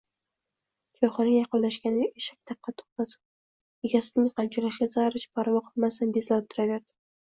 Choyxonaga yaqinlashganda, eshak taqqa to‘xtab, egasining qamchilashiga zarracha parvo qilmasdan, bezlanib turaverdi